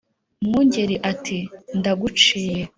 Mwungeli ati: "Ndaguciye"